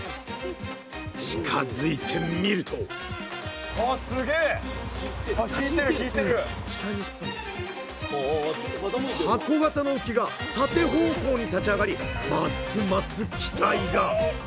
近づいてみると箱型の浮きが縦方向に立ち上がりますます期待が！